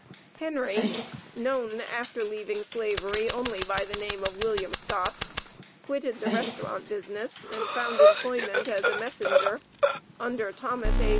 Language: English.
Henry, known after leaving Slavery only by the name of Wm. Scott, quitted the restaurant business and found employment as a messenger under Thomas A.